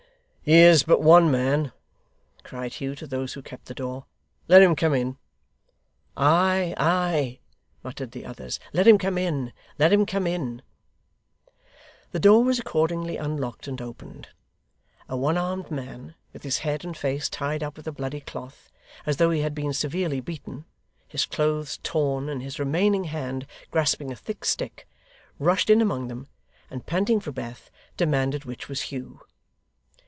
'He is but one man,' cried Hugh to those who kept the door; 'let him come in.' 'Ay, ay!' muttered the others. 'Let him come in. Let him come in.' The door was accordingly unlocked and opened. A one armed man, with his head and face tied up with a bloody cloth, as though he had been severely beaten, his clothes torn, and his remaining hand grasping a thick stick, rushed in among them, and panting for breath, demanded which was Hugh.